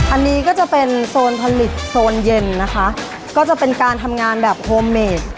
อันนี้ก็จะเป็นโซนผลิตโซนเย็นนะคะก็จะเป็นการทำงานแบบโฮมเมด